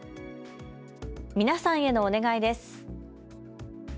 皆さんへのお願いです。